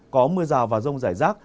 có mưa rào và rông rải rác